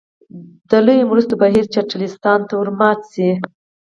د لویو مرستو بهیر پاکستان ته ورمات شي.